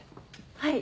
はい。